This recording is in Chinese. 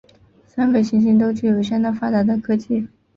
三个行星都具有相当发达的科技。